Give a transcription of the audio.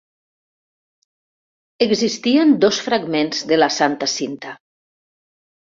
Existien dos fragments de la Santa Cinta.